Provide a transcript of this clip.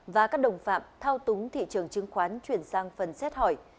và các đồng phạm thao túng thị trường chứng khoán chuyển sang phần xét hỏi